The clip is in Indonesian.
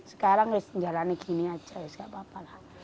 sekarang harus menjalani gini aja nggak apa apa lah